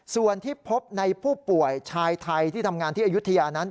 ส่วนที่พบในผู้ป่วยชายไทยที่ทำงานที่อายุทยานั้น